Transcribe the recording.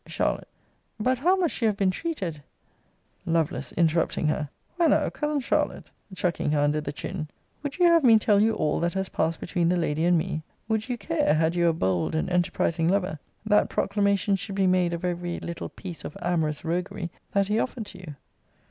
Charl. But how must she have been treated Lovel. [Interrupting her.] Why now, Cousin Charlotte, chucking her under the chin, would you have me tell you all that has passed between the lady and me? Would you care, had you a bold and enterprizing lover, that proclamation should be made of every little piece of amorous roguery, that he offered to you?